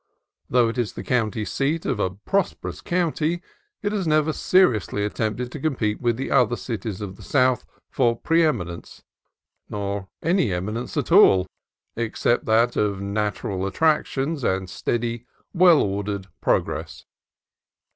Though it is the county seat of a pros perous county it has never seriously attempted to compete with the other cities of the south for pre eminence, nor any eminence at all except that of natural attractions and steady, well ordered pro gress.